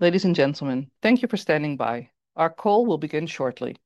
Ladies and gentlemen, thank you for standing by. Our call will begin shortly.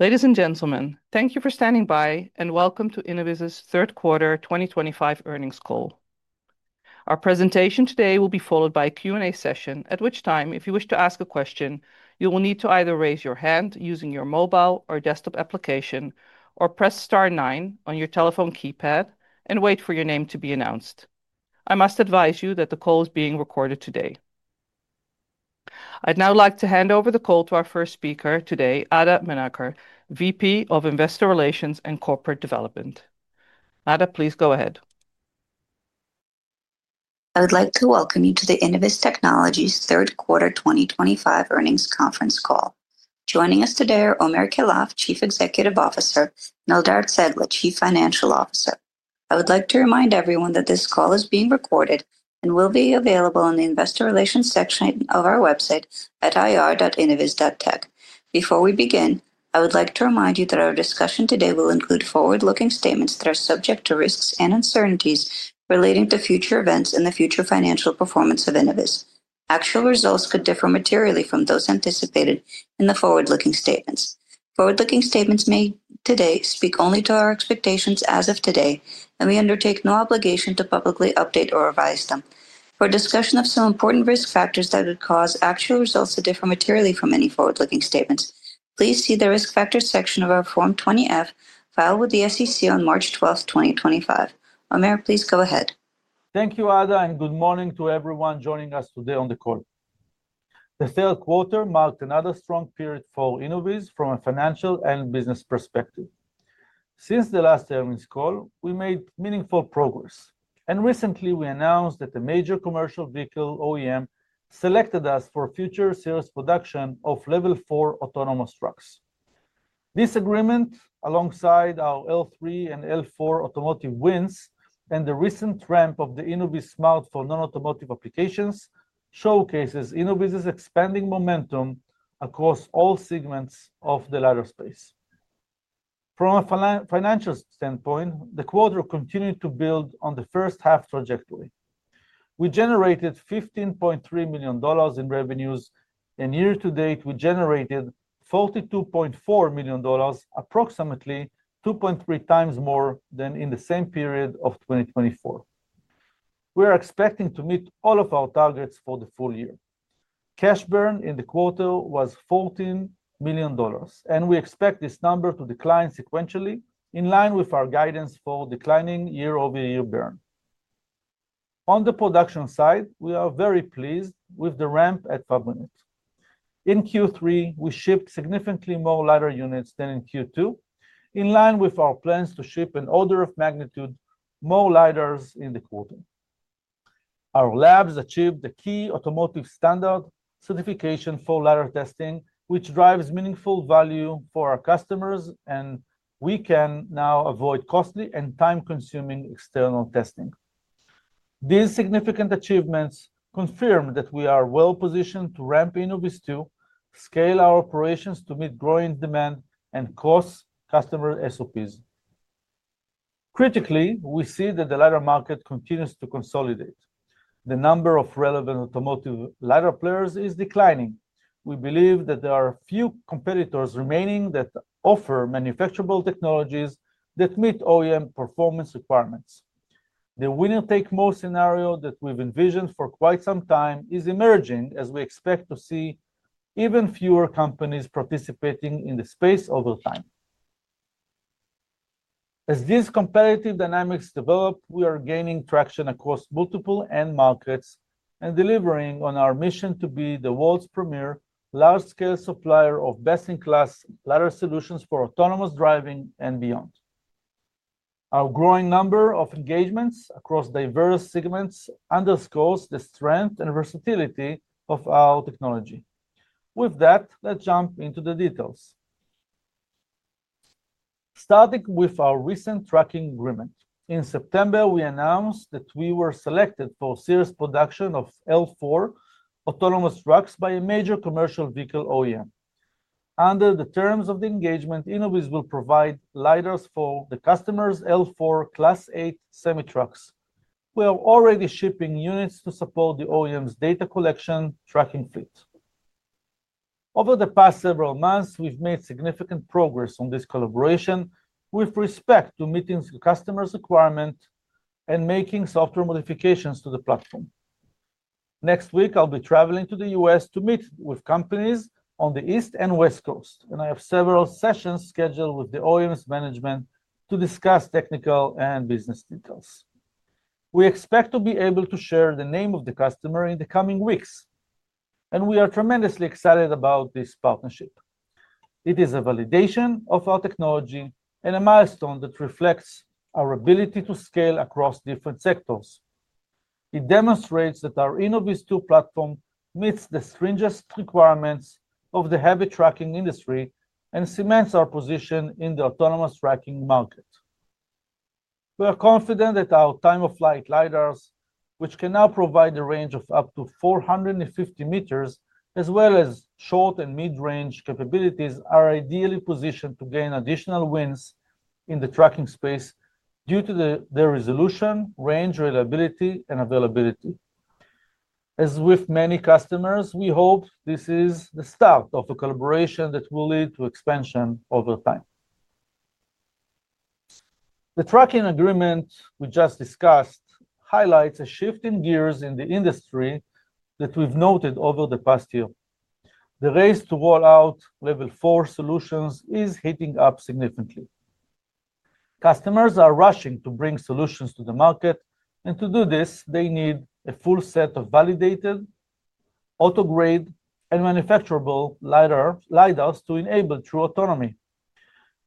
Ladies and gentlemen, thank you for standing by and welcome to Innoviz's third quarter 2025 earnings call. Our presentation today will be followed by a Q&A session at which time if you wish to ask a question, you will need to either raise your hand using your mobile or desktop application or press star nine on your telephone keypad and wait for your name to be announced. I must advise you that the call is being recorded today. I'd now like to hand over the call to our first speaker today, Ada Menaker, VP of Investor Relations and Corporate Development. Ada, please go ahead. I would like to welcome you to the Innoviz Technologies third quarter 2025 earnings conference call. Joining us today are Omer Keilaf, Chief Executive Officer, and Eldar Cegla, Chief Financial Officer. I would like to remind everyone that this call is being recorded and will be available on the Investor Relations section of our website at ir.innoviz.tech. Before we begin, I would like to remind you that our discussion today will include forward-looking statements that are subject to risks and uncertainties relating to future events and the future financial performance of Innoviz. Actual results could differ materially from those anticipated in the forward-looking statements. Forward-looking statements made today speak only to our expectations as of today and we undertake no obligation to publicly update or revise them. For a discussion of some important risk factors that could cause actual results to differ materially from any forward looking statements, please see the Risk Factors section of our Form 20-F filed with the SEC on March 12th, 2025. Omer, please go ahead. Thank you Ada and good morning to everyone joining us today on the call. The third quarter marked another strong period for Innoviz from a financial and business perspective. Since the last earnings call we made meaningful progress and recently we announced that the major commercial vehicle OEM selected us for future series production of Level 4 autonomous trucks. This agreement, alongside our L3 and L4 automotive wins and the recent ramp of the InnovizSmart for non-automotive applications, showcases Innoviz's expanding momentum across all segments of the LiDAR space. From a financial standpoint, the quarter continued to build on the first half trajectory. We generated $15.3 million in revenues and year-to-date we generated $42.4 million, approximately 2.3x more than in the same period of 2024. We are expecting to meet all of our targets for the full year. Cash burn in the quarter was $14 million and we expect this number to decline sequentially in line with our guidance for declining year-over-year burn. On the production side, we are very pleased with the ramp at Fabrinet. In Q3 we shipped significantly more LiDAR units than in Q2 in line with our plans to ship an order of magnitude more LiDARs in the quarter. Our labs achieved the key automotive standard certification for LiDAR testing, which drives meaningful value for our customers, and we can now avoid costly and time-consuming external testing. These significant achievements confirm that we are well positioned to ramp Innoviz 2, scale our operations to meet growing demand, and cross customer SOPs. Critically, we see that the LiDAR market continues to consolidate. The number of relevant automotive LiDAR players is declining. We believe that there are few competitors remaining that offer manufacturable technologies that meet OEM performance requirements. The winner take more scenario that we've envisioned for quite some time is emerging as we expect to see even fewer companies participating in the space over time. As these competitive dynamics develop, we are gaining traction across multiple end markets and delivering on our mission to be the world's premier large scale supplier of best in class LiDAR solutions for autonomous driving and beyond. Our growing number of engagements across diverse segments underscores the strength and versatility of our technology. With that, let's jump into the details starting with our recent tracking agreement. In September we announced that we were selected for series production of L4 autonomous trucks by a major commercial vehicle OEM. Under the terms of the engagement, Innoviz will provide LiDARs for the customer's L4 class 8 semi trucks. We are already shipping units to support the OEM's data collection tracking fleet. Over the past several months we've made significant progress on this collaboration with respect to meeting customer requirements and making software modifications to the platform. Next week I'll be traveling to the U.S. to meet with companies on the East and West Coast and I have several sessions scheduled with the OEM's management to discuss technical and business details. We expect to be able to share the name of the customer in the coming weeks and we are tremendously excited about this partnership. It is a validation of our technology and a milestone that reflects our ability to scale across different sectors. It demonstrates that our Innoviz 2 platform meets the stringent requirements of the heavy trucking industry and cements our position in the autonomous tracking market. We are confident that our time of flight LiDARs, which can now provide a range of up to 450 meters as well as short and mid range capabilities, are ideally positioned to gain additional wins in the tracking space due to their resolution, range, reliability, and availability. As with many customers, we hope this is the start of a collaboration that will lead to expansion over time. The trucking agreement we just discussed highlights a shift in gears in the industry that we've noted over the past year. The race to roll out Level 4 solutions is heating up significantly. Customers are rushing to bring solutions to the market and to do this they need a full set of validated auto grade and manufacturable LiDARs to enable true autonomy.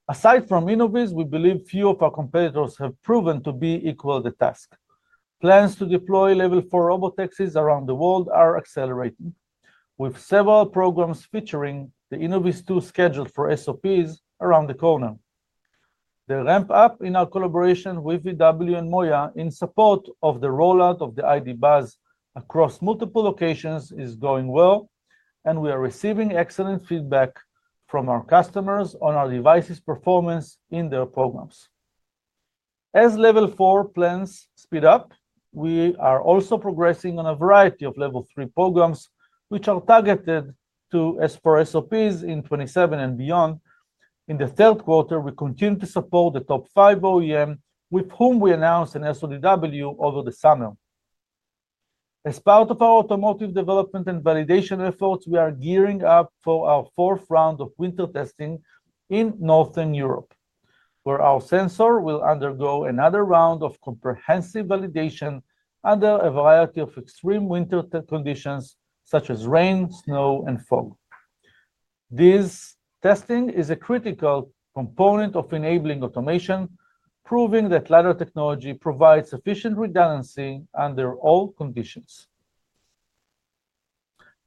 Aside from Innoviz, we believe few of our competitors have proven to be equal. The task plans to deploy Level 4 robotaxis around the world are accelerating with several programs featuring the Innoviz 2 scheduled for SOPs around the corner. The ramp up in our collaboration with VW and MOIA in support of the rollout of the ID.Buzz across multiple locations is going well and we are receiving excellent feedback from our customers on our devices' performance in their programs. As Level 4 plans speed up, we are also progressing on a variety of Level 3 programs which are targeted for SOPs in 2027 and beyond. In the third quarter we continue to support the top five OEM with whom we announced an SODW over the summer. As part of our automotive development and validation efforts, we are gearing up for our fourth round of winter testing in Northern Europe where our sensor will undergo another round of comprehensive validation under a variety of extreme winter conditions such as rain, snow, and fog. This testing is a critical component of enabling automation, proving that LiDAR technology provides efficient redundancy under all conditions.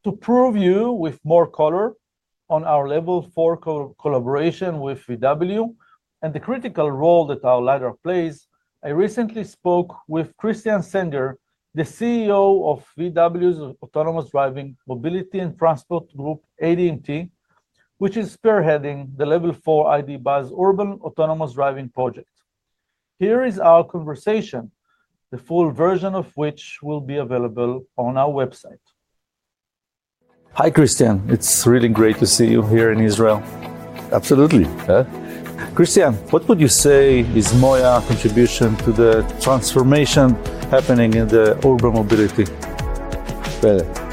To provide you with more color on our Level 4 collaboration with VW and the critical role that our LiDAR plays, I recently spoke with Christian Senger, the CEO of VW's Autonomous Driving, Mobility and Transport Group ADMT which is spearheading the Level 4 ID.Buzz Urban Autonomous Driving project. Here is our conversation, the full version of which will be available on our website. Hi Christian, it's really great to see you are here in Israel. Absolutely. Christian, what would you say is MOIA contribution to the transformation happening in the auto mobility?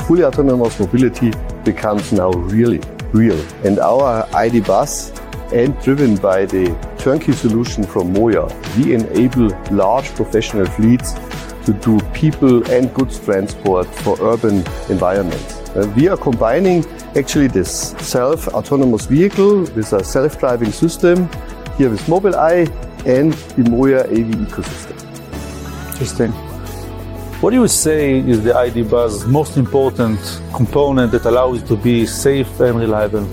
Fully autonomous mobility becomes now really real and our ID.Buzz and driven by the turnkey solution from MOIA, we enable large professional fleets to do people and goods transport for urban environments. We are combining actually this self autonomous vehicle with a self driving system here with Mobileye and the MOIA AV ecosystem. Interesting. What do you say is the ID.Buzz's most important component that allows it to be safe and reliable?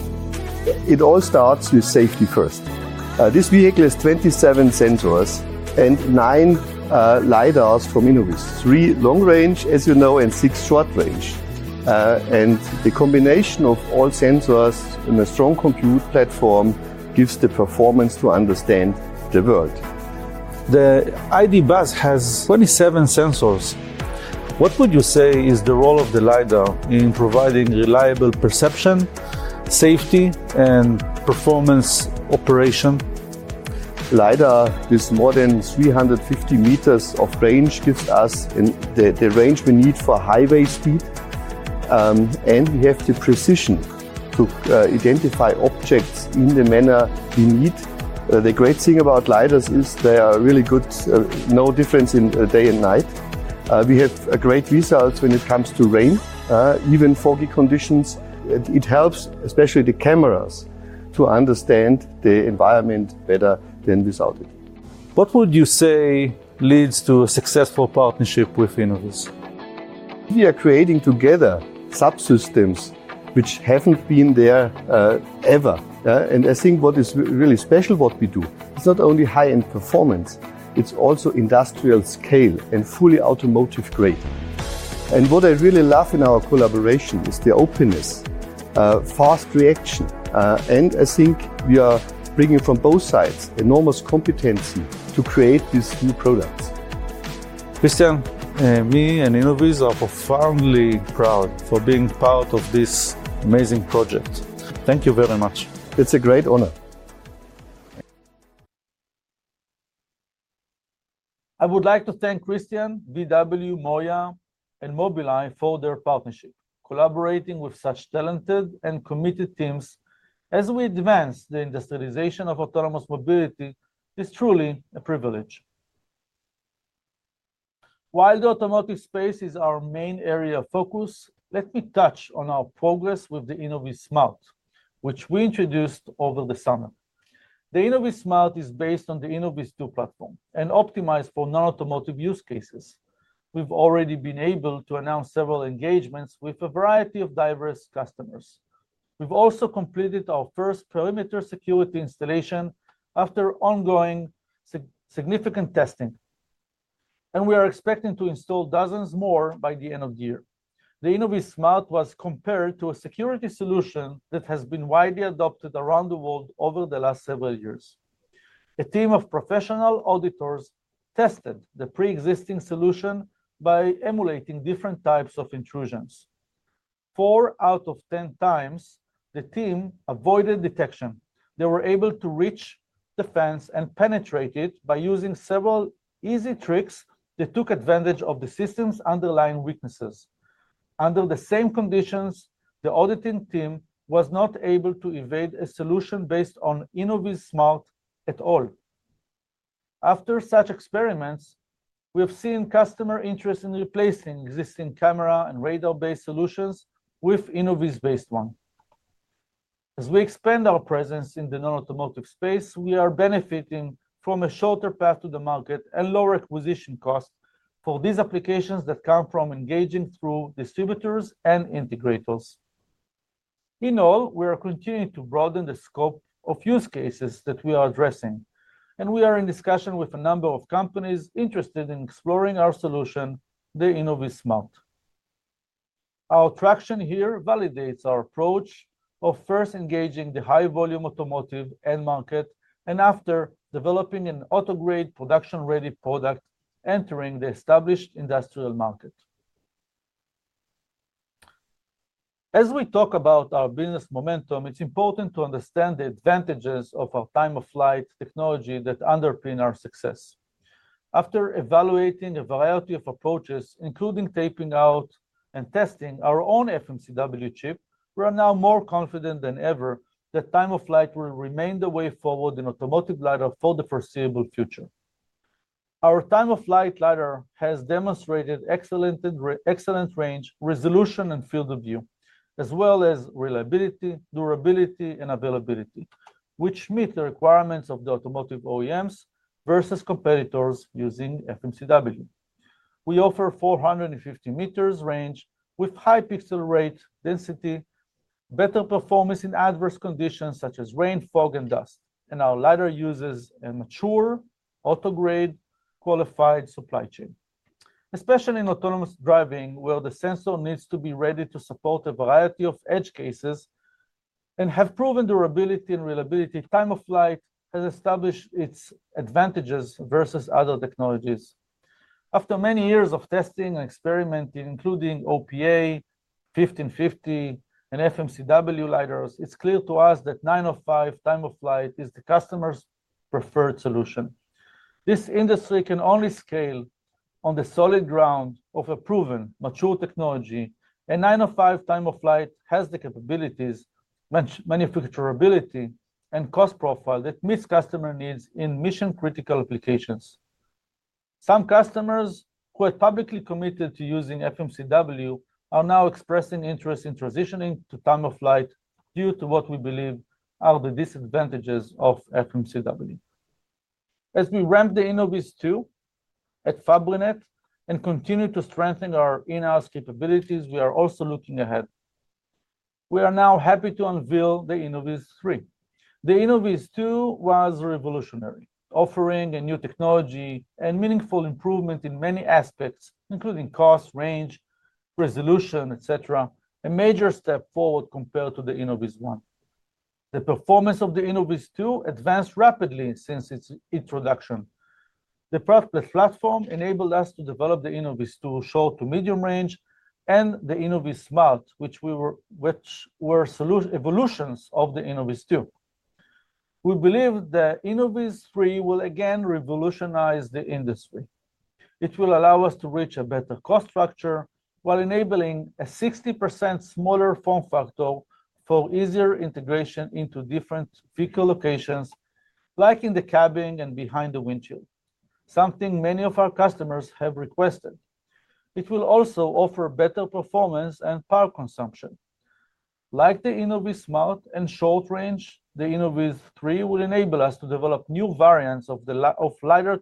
It all starts with safety first. This vehicle has 27 sensors and nine LiDARs from Innoviz. Three long range, as you know, and six short range. The combination of all sensors and a strong compute platform gives the performance to understand the world. The ID.Buzz has 27 sensors. What would you say is the role of the LiDAR in providing reliable perception, safety and performance operation? LiDAR with more than 350 meters of range gives us the range we need for highway speed. We have the precision to identify objects in the manner we need. The great thing about LiDARs is they are really good. No difference in day and night. We have great results when it comes to rain, even foggy conditions. It helps especially the cameras to understand the environment better than without it. What would you say leads to a successful partnership with Innoviz? We are creating together subsystems which have not been there ever. I think what is really special, what we do, it is not only high end performance, it is also industrial scale and fully automotive grade. What I really love in our collaboration is the openness, fast reaction. I think we are bringing from both sides enormous competency to create these new products. Christian, me and Innoviz are profoundly proud for being part of this amazing project. Thank you very much. It's a great honor. By emulating different types of intrusions, 4 out of 10x, the team avoided detection. They were able to reach the fence and penetrate it by using several easy tricks that took advantage of the system's underlying weaknesses. Under the same conditions, the auditing team was not able to evade a solution based on InnovizSmart at all. After such experiments, we have seen customer interest in replacing existing camera and radar based solutions with Innoviz based one. As we expand our presence in the non-automotive space, we are benefiting from a shorter path to the market and lower acquisition cost for these applications that come from engaging through distributors and integrators. In all, we are continuing to broaden the scope of use cases that we are addressing and we are in discussion with a number of companies interested in exploring our solution, The Innoviz mount. Our traction here validates our approach of first engaging the high volume automotive end market and after developing an auto grade production ready product entering the established industrial market. As we talk about our business momentum, it's important to understand the advantages of our time of flight technology that underpin our success. After evaluating a variety of approaches including taping out and testing our own FMCW chip, we are now more confident than ever that time of flight will remain the way forward in automotive LiDAR for the foreseeable future. Our time of flight LiDAR has demonstrated excellent range, resolution and field of view as well as reliability, durability and availability which meet the requirements of the automotive OEMs versus competitors using FMCW. We offer 450 meters range with high pixel rate density, better performance in adverse conditions such as rain, fog and dust, and our LiDAR uses a mature auto grade qualified supply chain, especially in autonomous driving where the sensor needs to be ready to support a variety of edge cases and have proven durability and reliability. Time of flight has established its advantages versus other technologies. After many years of testing and experimenting, including OPA 1550 and FMCW LiDARs, it's clear to us that 905 time of flight is the customer's preferred solution. This industry can only scale on the solid ground of a proven mature technology. A 905 time of flight has the capabilities, manufacturability, and cost profile that meets customer needs in mission critical applications. Some customers who had publicly committed to using FMCW are now expressing interest in transitioning to time of flight due to what we believe are the disadvantages of FMCW. As we ramp the Innoviz 2 at Fabrinet and continue to strengthen our in-house capabilities, we are also looking ahead. We are now happy to unveil the InnovizThree. The Innoviz 2 was revolutionary, offering a new technology and meaningful improvement in many aspects including cost, range, resolution, et cetera, a major step forward compared to the InnovizOne. The performance of the Innoviz 2 advanced rapidly since its introduction. The Prospect platform enabled us to develop the Innoviz 2 short to medium range and the InnovizSmart which were evolutions of the Innoviz 2. We believe that InnovizThree will again revolutionize the industry. It will allow us to reach a better cost structure while enabling a 60% smaller form factor for easier integration into different fields, vehicle locations like in the cabin and behind the windshield, something many of our customers have requested. It will also offer better performance and power consumption. Like the InnovizSmart and short range, the InnovizThree will enable us to develop new variants of the LiDAR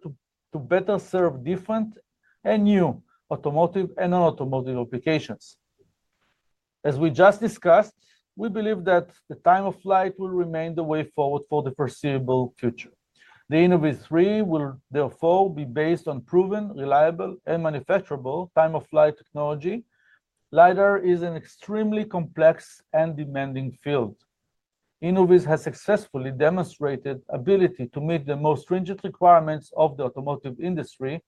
to better serve different and new automotive and non-automotive applications. As we just discussed, we believe that the time of flight will remain the way forward for the foreseeable future. The InnovizThree will therefore be based on proven, reliable, and manufacturable time of flight technology, LiDAR is an extremely complex and demanding field. Innoviz has successfully demonstrated ability to meet the most stringent requirements of the automotive industry.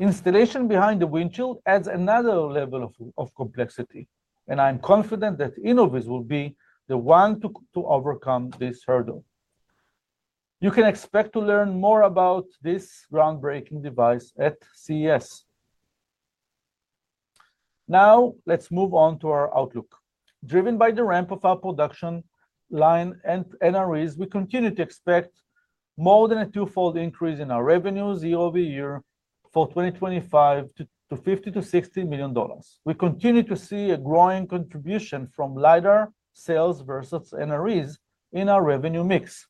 Installation behind the windshield adds another level of complexity and I'm confident that Innoviz will be the one to overcome this hurdle. You can expect to learn more about this groundbreaking device at CES. Now let's move on to our outlook. Driven by the ramp of our production line and NREs, we continue to expect more than a twofold increase in our revenues year-over-year, for 2025 to $50 million-$60 million. We continue to see a growing contribution from LiDAR sales versus NREs in our revenue mix.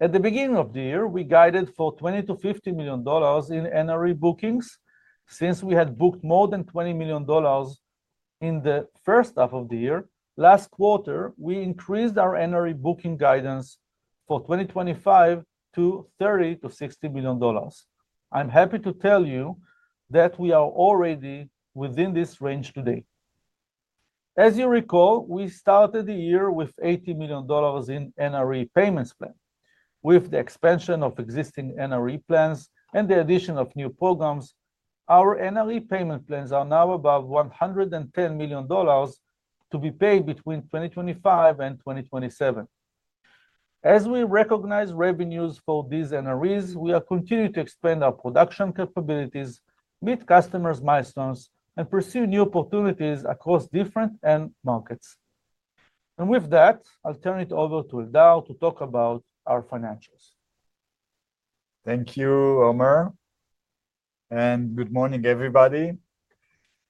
At the beginning of the year we guided for $20 million-$50 million in NRE bookings since we had booked more than $20 million in the first half of the year. Last quarter we increased our NRE booking guidance for 2025 to $30 million-$60 million. I'm happy to tell you that we are already within this range today. As you recall, we started the year with $80 million in NRE payments plan. With the expansion of existing NRE plans and the addition of new programs, our NRE payment plans are now above $110 million to be paid between 2025 and 2027. As we recognize revenues for these NREs, we are continuing to expand our production capabilities, meet customers milestones and pursue new opportunities across different end markets. With that I'll turn it over to Eldar to talk about our financials. Thank you Omer and good morning everybody.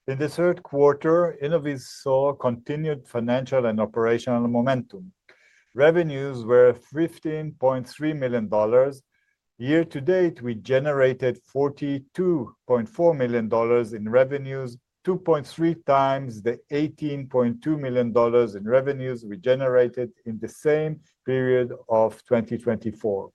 In the third quarter, Innoviz saw continued financial and operational momentum. Revenues were $15.3 million. Year-to-date we generated $42.4 million in revenues, 2.3x the $18.2 million in revenues we generated in the same period of 2024.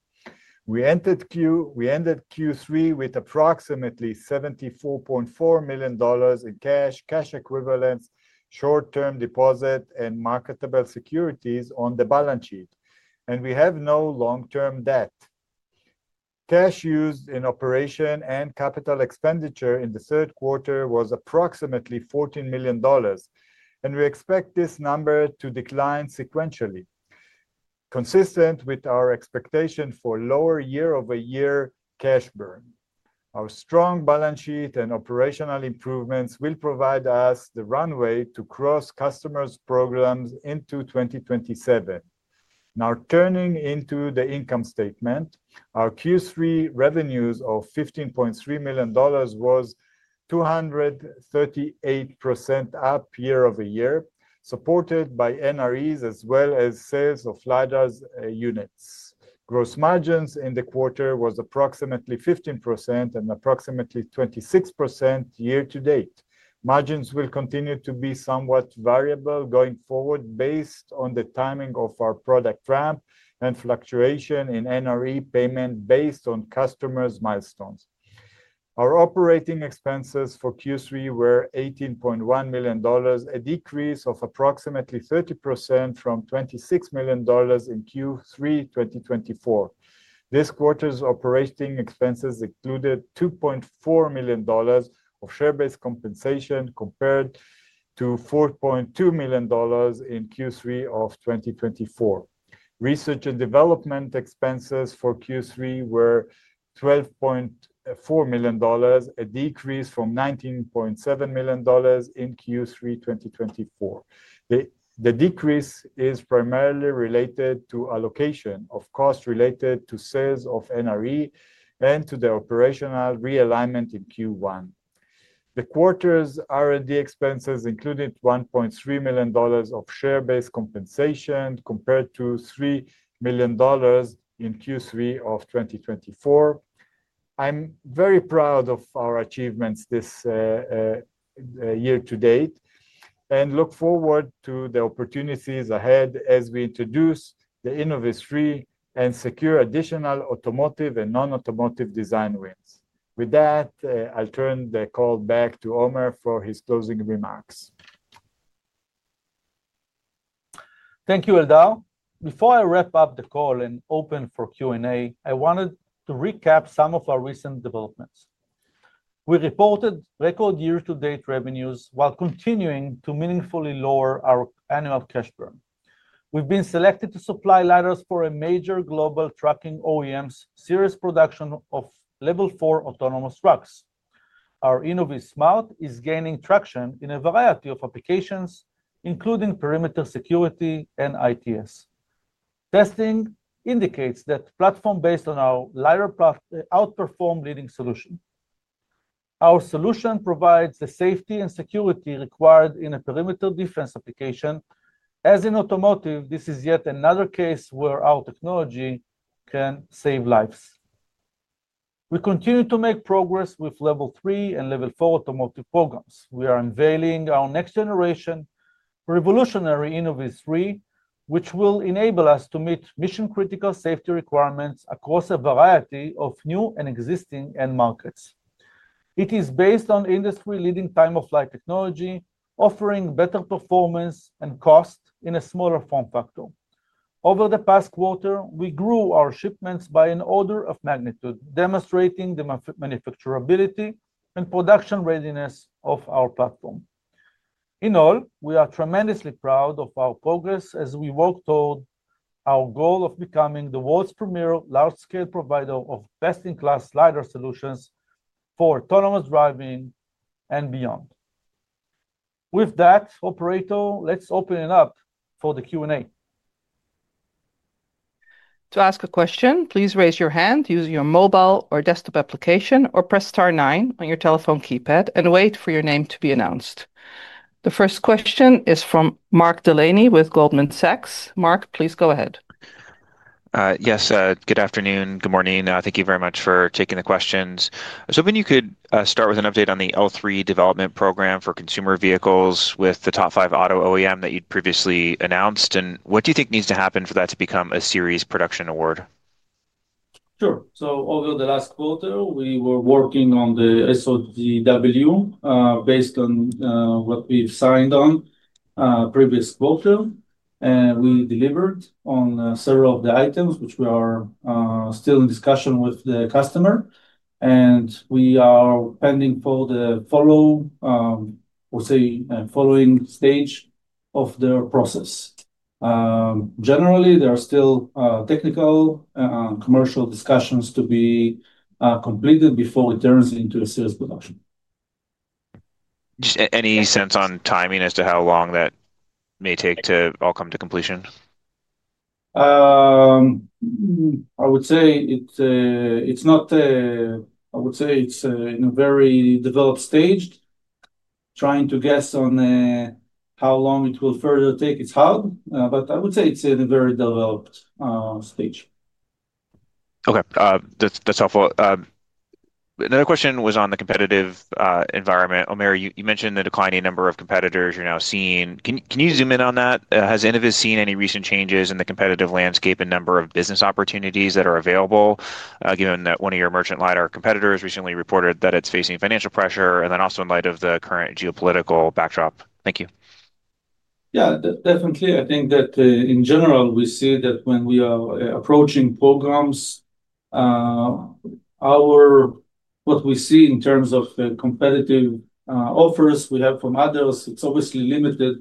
We ended Q3 with approximately $74.4 million in cash, cash equivalents, short term deposit and marketable securities on the balance sheet and we have no long term debt. Cash used in operation and capital expenditure in the third quarter was approximately $14 million and we expect this number to decline sequentially consistent with our expectation for lower year-over-year cash burn. Our strong balance sheet and operational improvements will provide us the runway to cross customers program into 2027. Now turning into the income statement, our Q3 revenues of $15.3 million was 238% up year-over-year supported by NREs as well as sales of LiDAR units. Gross margins in the quarter was approximately 15% and approximately 26% year-to-date. Margins will continue to be somewhat variable going forward based on the timing of our product ramp and fluctuation in NRE payment based on customers milestones. Our operating expenses for Q3 were $18.1 million, a decrease of approximately 30% from $26 million in Q3 2024. This quarter's operating expenses included $2.4 million of share based compensation compared to $4.2 million in Q3 of 2024. Research and development expenses for Q3 were $12.4 million, a decrease from $19.7 million in Q3 2024. The decrease is primarily related to allocation of costs related to sales of NRE and to the operational realignment in Q1. The quarter's R&D expenses included $1.3 million of share based compensation compared to $3 million in Q3 of 2024. I'm very proud of our achievements this year-to-date and look forward to the opportunities ahead as we introduce the InnovizThree and secure additional automotive and non-automotive design wins. With that, I'll turn the call back to Omer for his closing remarks. Thank you, Eldar. Before I wrap up the call and open for Q&A, I wanted to recap some of our recent developments. We reported record year-to-date revenues while continuing to meaningfully lower our annual cash burn. We've been selected to supply LiDARs for a major global trucking OEM's series production of Level 4 autonomous trucks. Our InnovizSmart is gaining traction in a variety of applications including perimeter security, and ITS. Testing indicates that platforms based on our LiDAR platform outperform leading solutions. Our solution provides the safety and security required in a perimeter defense application. As in automotive, this is yet another case where our technology can save lives. We continue to make progress with Level 3 and Level 4 automotive programs. We are unveiling our next generation revolutionary InnovizThree, which will enable us to meet mission critical safety requirements across a variety of new and existing end markets. It is based on industry leading time of flight technology, offering better performance and cost in a smaller form factor. Over the past quarter, we grew our shipments by an order of magnitude, demonstrating the manufacturability and production readiness of our platform. In all, we are tremendously proud of our progress as we walk toward our goal of becoming the world's premier large scale provider of best in class LiDAR solutions for autonomous driving and beyond. With that, operator, let's open it up for the Q&A. To ask a question, please raise your hand using your mobile or desktop application or press star nine on your telephone keypad and wait for your name to be announced. The first question is from Mark Delaney with Goldman Sachs. Mark, please go ahead. Yes, good afternoon. Good morning. Thank you very much for taking the questions. I was hoping you could start with an update on the L3 development program for consumer vehicles with the top five auto OEM that you'd previously announced. What do you think needs to happen for that to become a series production award? Sure. Over the last quarter we were working on the SOVW based on what we've signed on previous quarter and we delivered on several of the items which we are still in discussion with the customer and we are pending for the follow or say following stage of their process. Generally there are still technical commercial discussions to be completed before it turns into a sales production. Just any sense on timing as to how long that may take to all come to completion? I would say it, it's not. I would say it's in a very developed stage, trying to guess on how long it will further take its hub. I would say it's in a very developed stage. Okay, that's helpful. Another question was on the competitive environment. Omer, you mentioned the declining number of competitors you're now seeing. Can you zoom in on that? Has Innoviz seen any recent changes in the competitive landscape and of business opportunities that are available? Given that one of your merchant LiDAR competitors recently reported that it's facing financial pressure and then also in light of the current geopolitical backdrop. Thank you. Yeah, definitely. I think that in general we see that when we are approaching programs, what we see in terms of competitive offers we have from others, it's obviously limited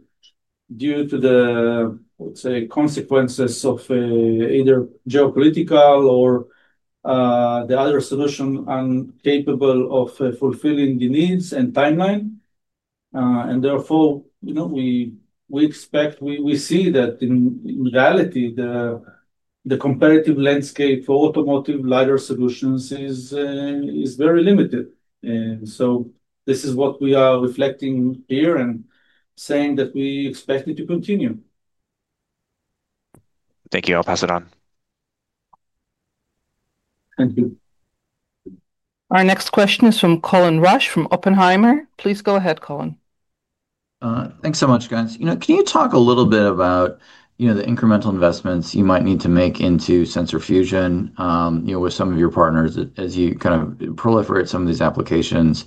due to the, let's say, consequences of either geopolitical or the other solution uncapable of fulfilling the needs and timeline. Therefore, you know, we expect, we see that in reality the comparative landscape for automotive LiDAR solutions is very limited. This is what we are reflecting here and saying that we expect it to continue. Thank you. I'll pass it on. Thank you. Our next question is from Colin Rusch from Oppenheimer. Please go ahead, Colin. Thanks so much guys. You know, can you talk a little bit about, you know, the incremental investments you might need to make into Sensor Fusion, you know, with some of your partners as you kind of proliferate some of these applications,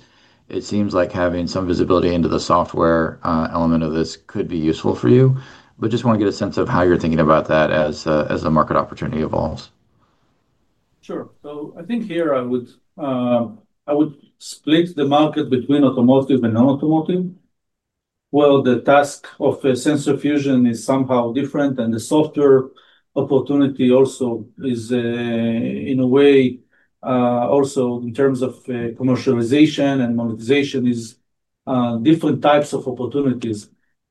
it seems like having some visibility into the software element of this could be useful for you. Just want to get a sense of how you're thinking about that as the market opportunity evolves. Sure. I think here I would split the market between automotive and non-automotive. The task of Sensor Fusion is somehow different, and the software opportunity also is, in a way, also in terms of commercialization and monetization, different types of opportunities.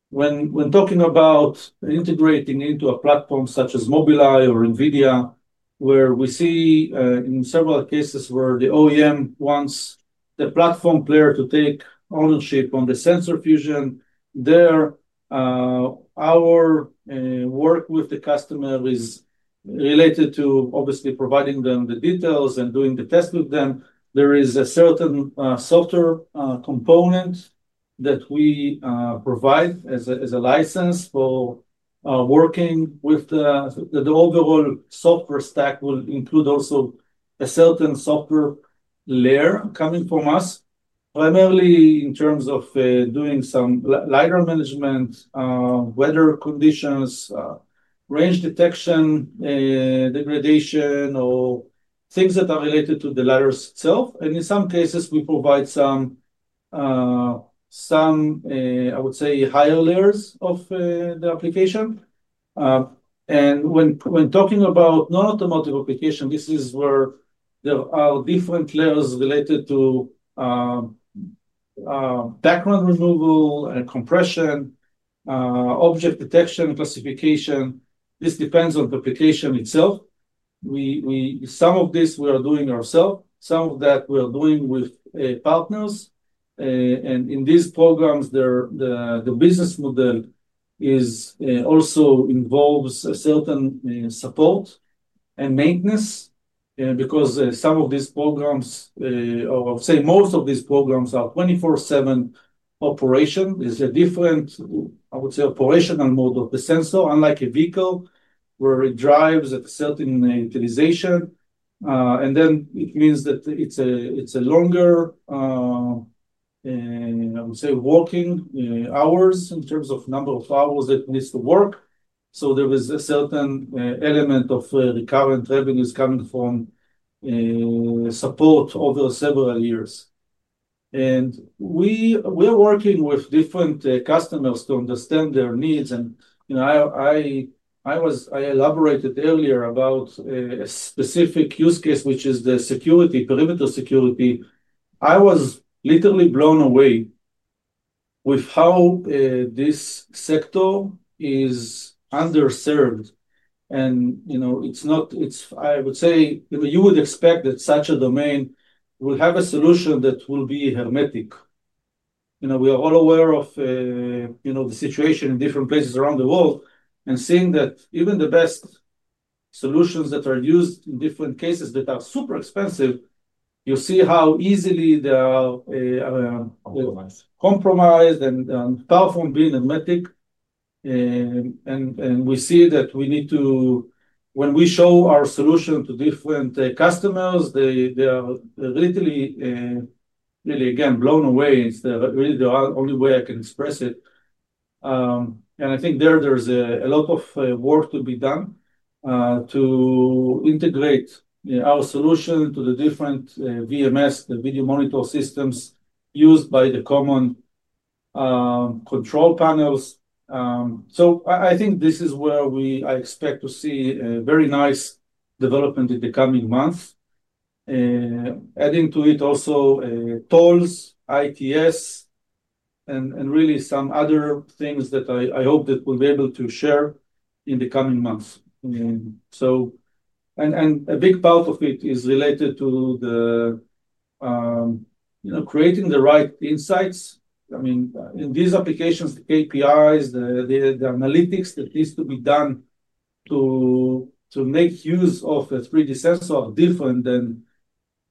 When talking about integrating into a platform such as Mobileye or NVIDIA, where we see in several cases where the OEM wants the platform player to take ownership on the Sensor Fusion, there our work with the customer is related to obviously providing them the details and doing the test with them. There is a certain software component that we provide as a license for working with the overall software stack, which will include also a certain software layer coming from us, primarily in terms of doing some LiDAR management, weather conditions, range detection, degradation, or things that are related to the LiDARs itself. In some cases, we provide some, I would say, higher layers of the application. When talking about non-automotive application, this is where there are different layers related to background removal, compression, object detection, classification. This depends on the application itself. We, some of this we are doing ourselves, some of that we are doing with partners. In these programs the business model also involves certain support and maintenance because some of these programs, I would say most of these programs are 24/7 operation. It is a different, I would say, operational mode of the sensor, unlike a vehicle where it drives at a certain utilization and then it means that it's a longer, I would say, working hours in terms of number of hours that needs to work. There is a certain element of recurrent revenues coming from support over several years and we are working with different customers to understand their needs. You know, I elaborated earlier about a specific use-case, which is the security, perimeter security. I was literally blown away with how this sector is underserved and you know, it is not. I would say you would expect that such a domain will have a solution that will be hermetic. You know, we are all aware of, you know, the situation in different places around the world and seeing that even the best solutions that are used in different cases that are super expensive, you see how easily they are compromised and tough on being hermetic, and we see that we need to, when we show our solution to different customers, they are literally really again blown away. It's really the only way I can express it. I think there, there's a lot of work to be done to integrate our solution to the different VMS, the Video Monitor Systems used by the common control panels. I think this is where I expect to see a very nice development in the coming months. Adding to it also tolls, ITS, and really some other things that I hope that we'll be able to share in the coming months. A big part of it is related to the, you know, creating the right insights. I mean in these applications the KPIs, the analytics that needs to be done to make use of a 3D sensor are different than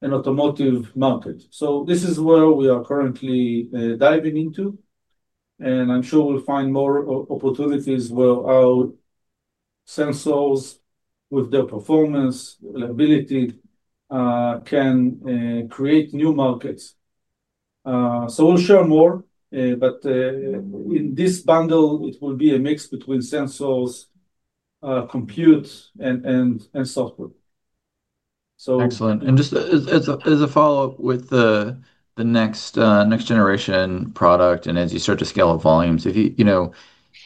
an automotive market. This is where we are currently diving into and I'm sure we'll find more opportunities where our sensors with their performance liability can create new markets. We'll share more. In this bundle it will be a mix between sensors, compute and software. Excellent. Just as a follow up with the next generation product and as you start to scale up volumes,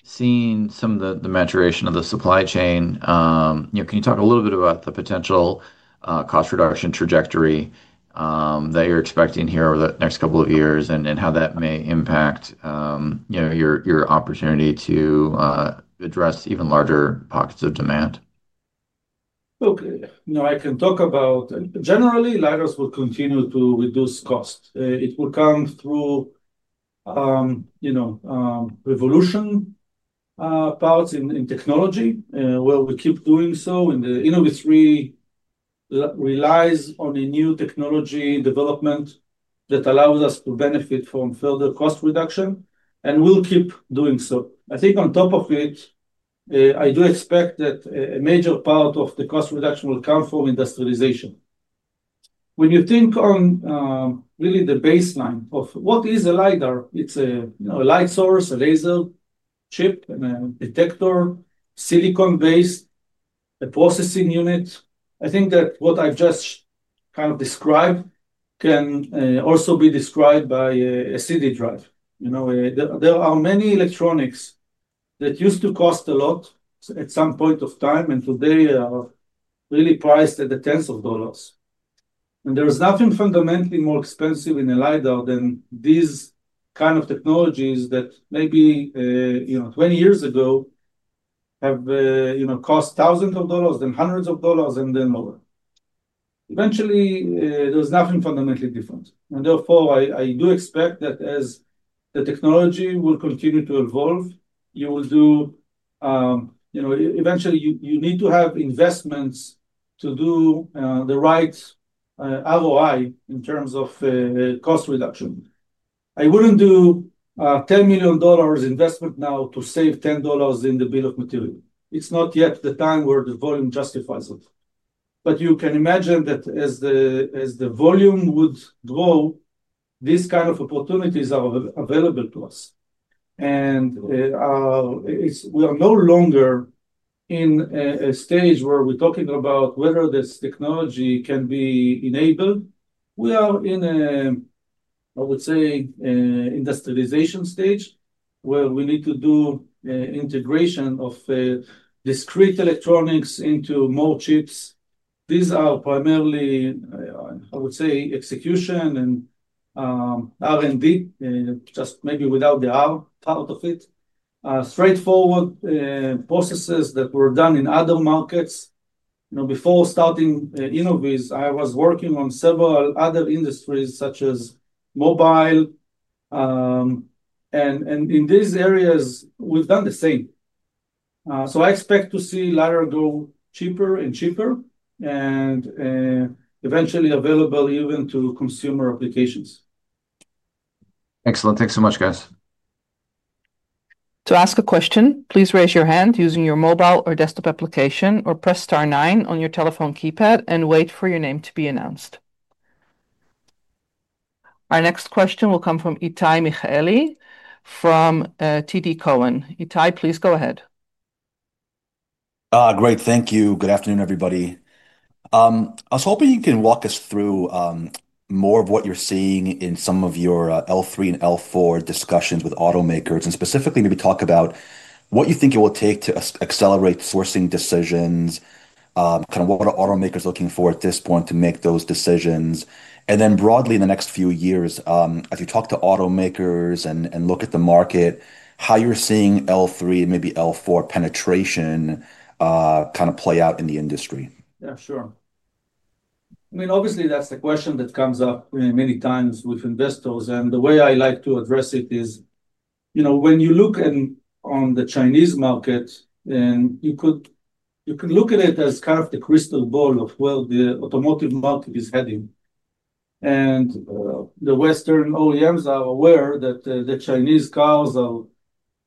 seeing some of the maturation of the supply chain. Can you talk a little bit about the potential cost reduction trajectory that you're expecting here over the next couple of years and how that may impact, you know, your opportunity to address even larger pockets of demand. Okay, now I can talk about generally LiDARs will continue to reduce cost. It will come through, you know, revolution parts in technology where we keep doing so in the InnovizThree relies on a new technology development that allows us to benefit from further cost reduction and will keep doing so. I think on top of it I do expect that a major part of the cost reduction will come from industrialization. When you think on really the baseline of what is a LiDAR, it's a light source, a laser chip and a detector silicon based, a processing unit. I think that what I just kind of described can also be described by a CD drive. You know, there are many electronics that used to cost a lot at some point of time and today really priced at the tens of dollars. There is nothing fundamentally more expensive in a LiDAR than these kind of technologies that maybe, you know, 20 years ago have, you know, cost thousands of dollars, then hundreds of dollars, and then more. Eventually, there is nothing fundamentally different. Therefore, I do expect that as the technology will continue to evolve, you will do, you know, eventually you need to have investments to do the right ROI in terms of cost reduction. I would not do a $10 million investment now to save $10 in the bill of material. It is not yet the time where the volume justifies it, but you can imagine that as the volume would grow, these kind of opportunities are available to us. We are no longer in a stage where we are talking about whether this technology can be enabled. We are in, I would say, industrialization stage where we need to do integration of discrete electronics into more chips. These are primarily, I would say, execution and R&D, just maybe without the R part of it. Straightforward processes that were done in other markets. You know, before starting Innoviz, I was working on several other industries, such as mobile, and in these areas we've done the same. I expect to see LiDAR go cheaper and cheaper and eventually available even to consumer applications. Excellent. Thanks so much, guys. To ask a question, please raise your hand using your mobile or desktop application, or press star nine on your telephone keypad and wait for your name to be announced. Our next question will come from Itay Michaeli from TD Cowen. Itay, please go ahead. Great, thank you. Good afternoon, everybody. I was hoping you can walk us through more of what you're seeing in some of your L3 and L4 discussions with automakers, and specifically maybe talk about what you think it will take to accelerate sourcing decisions. Kind of what are automakers looking for at this point to make those decisions? In the next few years, as you talk to automakers and, and look at the market, how you're seeing L3 and maybe L4 penetration kind of play out in the industry. Yeah, sure. I mean, obviously that's the question that comes up many times with investors. The way I like to address it is, you know, when you look at, on the Chinese market and you could look at it as kind of the crystal ball of where the automotive market is heading. The Western OEMs are aware that the Chinese cars are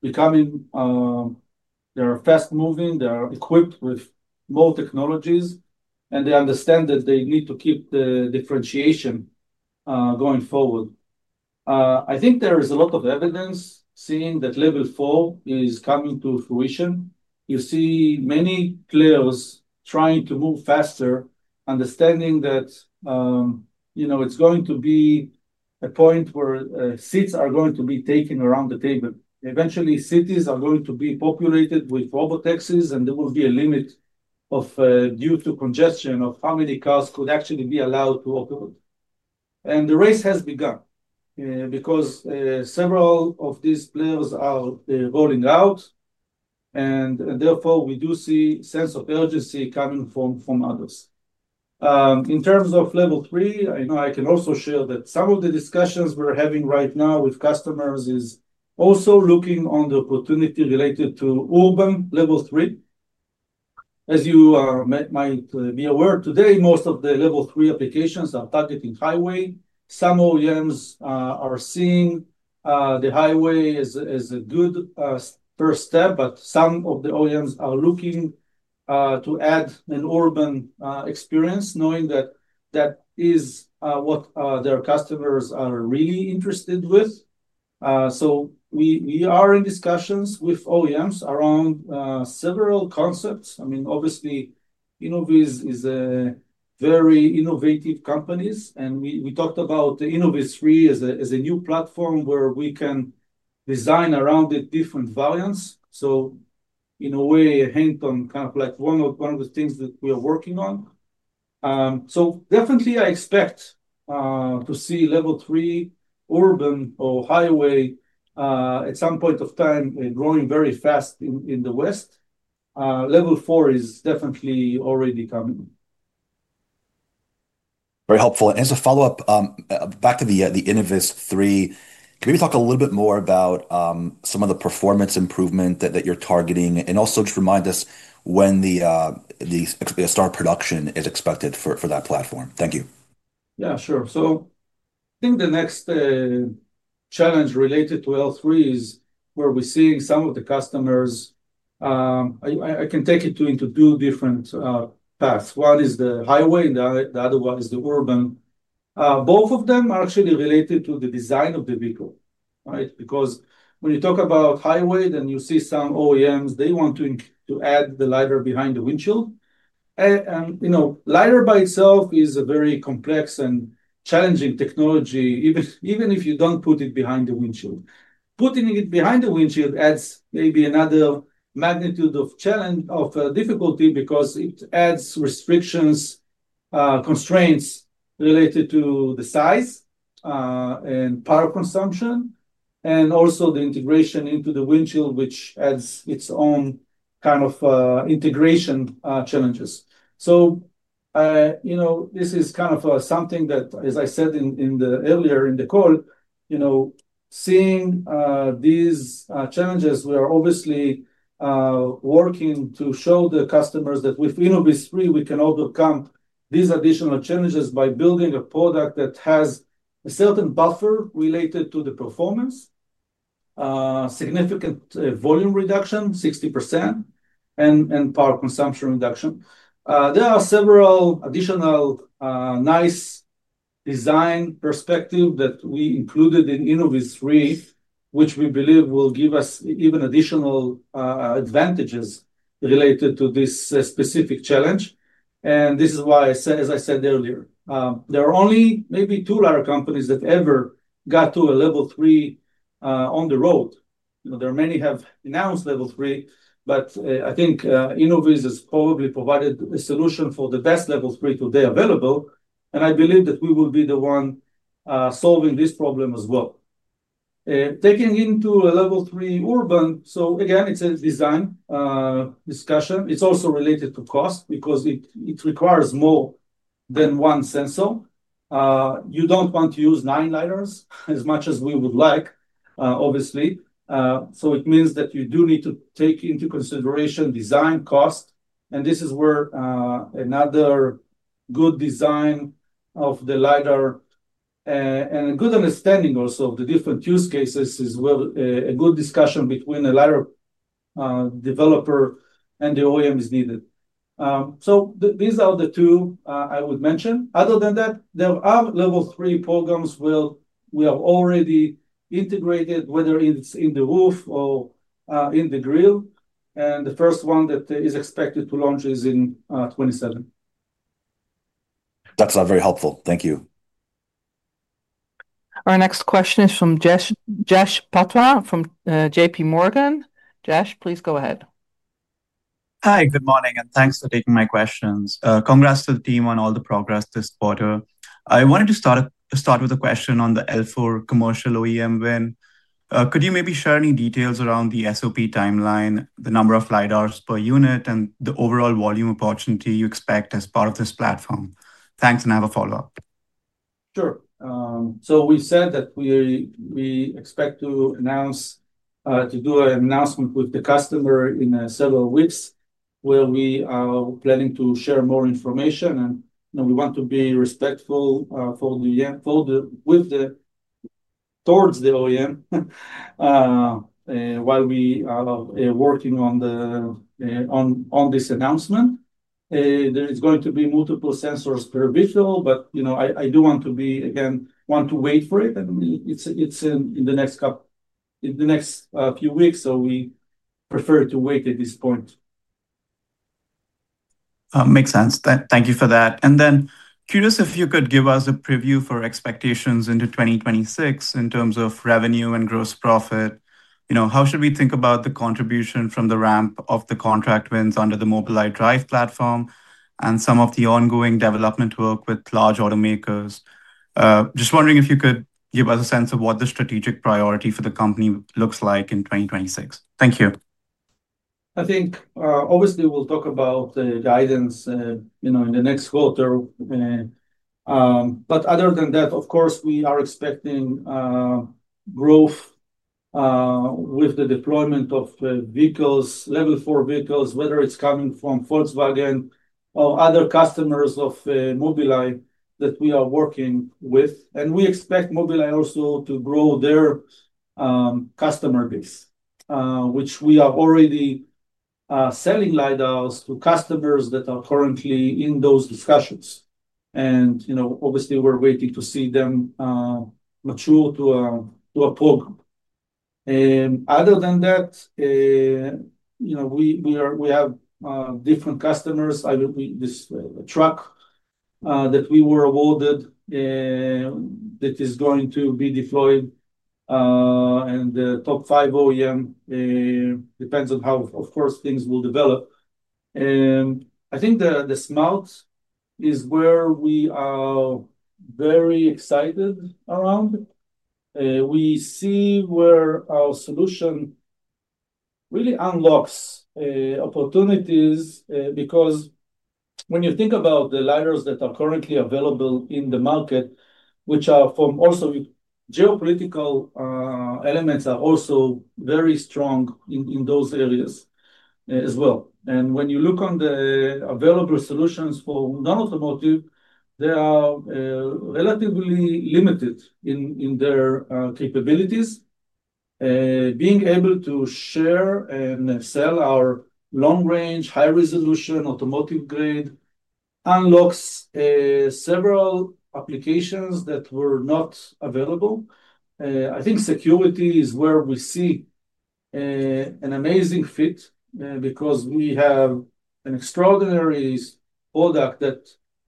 becoming. They are fast moving, they are equipped with more technologies, and they understand that they need to keep the differentiation going forward. I think there is a lot of evidence seeing that Level 4 is coming to fruition. You see many players trying to move faster, understanding that, you know, it's going to be a point where seats are going to be taken around the table. Eventually cities are going to be populated with robotaxis and there will be a limit, due to congestion, of how many cars could actually be allowed to occupy. The race has begun because several of these players are rolling out and therefore we do see sense of urgency coming from others. In terms of Level 3, I know I can also share that some of the discussions we're having right now with customers is also looking on the opportunity related to urban Level 3. As you might be aware, today most of the Level 3 applications are targeting highway. Some OEMs are seeing the highway as a good first step, but some of the OEMs are looking to add an urban experience, knowing that that is what their customers are really interested with. We are in discussions with OEMs around several concepts. I mean, obviously Innoviz is very innovative companies and we talked about the InnovizThree as a new platform where we can design around the different variants. In a way, a hint on kind of like one of the things that we are working on. Definitely I expect to see Level 3 urban or highway at some point of time growing very fast in the West. Level 4 is definitely already coming. Very helpful. As a follow-up, back to the InnovizThree, can we talk a little bit more about some of the performance improvement that you're targeting and also just remind us when the start of production is expected for that platform? Thank you. Yeah, sure. I think the next challenge related to L3 is where we're seeing some of the customers, I can take it into two different paths. One is the highway and the other one is the urban. Both of them are actually related to the design of the vehicle. Because when you talk about highway, then you see some OEMs, they want to add the LiDAR behind the windshield. LiDAR by itself is a very complex and challenging technology even if you do not put it behind the windshield. Putting it behind the windshield adds maybe another magnitude of challenge, of difficulty, because it adds restrictions, constraints related to the size and power consumption, and also the integration into the windshield, which adds its own kind of integration challenges. You know, this is kind of something that, as I said earlier in the call, seeing these challenges, we are obviously working to show the customers that with InnovizThree, we can overcome these additional challenges by building a product that has a certain buffer related to the performance, significant volume reduction 60% and power consumption reduction. There are several additional nice design perspectives that we included in InnovizThree which we believe will give us even additional advantages related to this specific challenge. This is why I said, as I said earlier, there are only maybe two LiDAR companies that ever got to a Level 3 on the road. There are many have announced Level 3, but I think Innoviz has probably provided a solution for the best Level 3 today available, and I believe that we will be the one solving this problem as well. Taking into a Level 3 urban, again, it is a design discussion. It is also related to cost because it requires more than one sensor. You do not want to use nine LiDARs as much as we would like, obviously. It means that you do need to take into consideration design cost. This is where another good design of the LiDAR and a good understanding also of the different use cases is a good discussion between a LiDAR developer and the OEM is needed. These are the two I would mention. Other than that, there are Level 3 programs where we have already integrated, whether it is in the roof or in the grille. The first one that is expected to launch is in 2027. That's very helpful, thank you. Our next question is from Jash Patwa from JPMorgan. Jash, please go ahead. Hi, good morning and thanks for taking my questions. Congrats to the team on all the progress this quarter. I wanted to start with a question on the L4 Commercial OEM win. Could you maybe share any details around the SOP timeline, the number of LiDARs per unit and the overall volume opportunity you expect as part of this platform? Thanks. I have a follow up. Sure. We said that we expect to do an announcement with the customer in several weeks where we are planning to share more information. We want to be respectful towards the OEM while we are working on this announcement. There is going to be multiple sensors per vehicle. I do want to again wait for it, and it's in the next couple, in the next few weeks. We prefer to wait at this point. Makes sense. Thank you for that. Curious if you could give us a preview for expectations into 2026 in terms of revenue and gross profit. You know, how should we think about the contribution from the ramp of the contract wins under the Mobileye Drive™ platform and some of the ongoing development work with large automakers. Just wondering if you could give us a sense of what the strategic priority for the company looks like in 2026. Thank you. I think obviously we'll talk about guidance, you know, in the next quarter. Other than that, of course we are expecting growth with the deployment of Level 4 vehicles, whether it's coming from Volkswagen or other customers of Mobileye that we are working with. We expect Mobileye also to grow their customer base, which we are already selling LiDARs to customers that are currently in those discussions. You know, obviously we're waiting to see them mature to a program. Other than that, you know, we have different customers. This truck that we were awarded that is going to be deployed and the top five OEM depends on how, of course, things will develop. I think the Smart is where we are very excited around. We see where our solution really unlocks opportunities because when you think about the LiDARs that are currently available in the market, which are from also geopolitical elements, are also very strong in those areas as well. When you look on the available solutions for non-automotive, they are relatively limited in their capabilities. Being able to share and sell our long-range, high-resolution, automotive-grade unlocks several applications that were not available. I think security is where we see an amazing fit because we have an extraordinary product that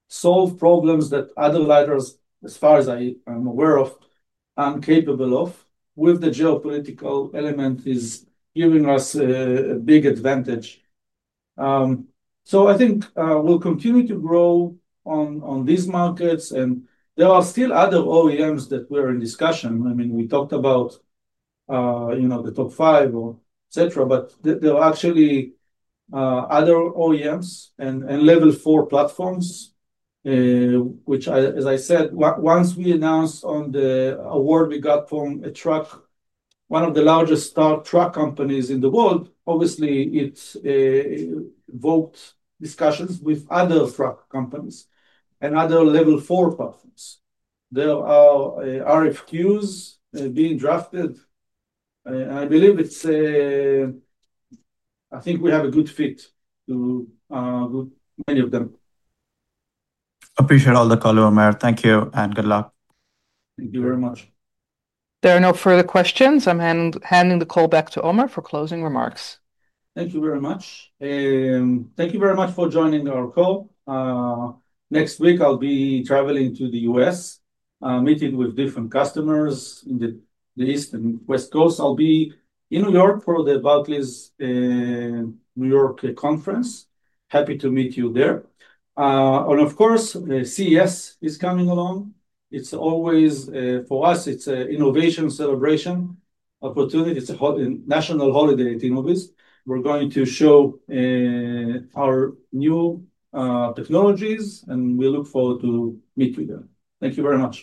solves problems that other LiDARs, as far as I am aware of, are incapable of with the geopolitical element is giving us a big advantage. I think we'll continue to grow on these markets. There are still other OEMs that we're in discussion. I mean we talked about, you know, the top five or et cetera. There are actually other OEMs and Level 4 platforms which, as I said, once we announced on the award we got from Truck, one of the largest truck companies in the world, obviously it evoked discussions with other truck companies and other Level 4 platforms. There are RFQs being drafted and I believe it's a, I think we have a good fit to many of them. Appreciate all the color. Thank you and good luck. Thank you very much. There are no further questions. I'm handing the call back to Omer for closing remarks. Thank you very much. Thank you very much for joining our call. Next week I'll be traveling to the U.S. meeting with different customers in the East and West Coast. I'll be in New York for the Barclays New York conference. Happy to meet you there. Of course, the CES is coming along. It's always for us, it's an innovation celebration opportunity. It's a national holiday at Innoviz. We're going to show our new technologies and we look forward to meet with them. Thank you very much.